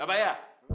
ya pak ya